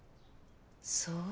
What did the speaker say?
そう。